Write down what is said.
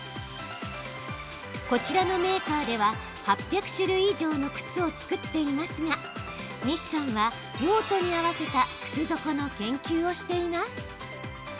こちらのメーカーでは８００種類以上の靴を作っていますが西さんは、用途に合わせた靴底の研究をしています。